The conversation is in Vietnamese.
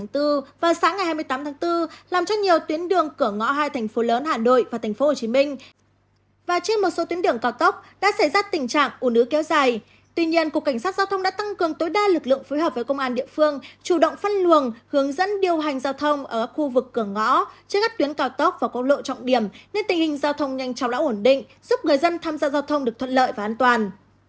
tuy nhiên cục cảnh sát giao thông đã tăng cường tối đa lực lượng phối hợp với công an địa phương chủ động phân luồng hướng dẫn điều hành giao thông ở các khu vực cửa ngõ trên các tuyến cào tốc và các lộ trọng điểm nên tình hình giao thông nhanh chóng đã ổn định giúp người dân tham gia giao thông được thuận lợi và an toàn